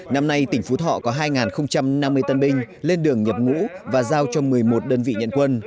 năm nay tỉnh phú thọ có hai năm mươi tân binh lên đường nhập ngũ và giao cho một mươi một đơn vị nhận quân